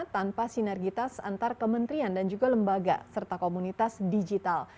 tanpa sinergitas antar kementerian dan juga lembaga serta komunitas digital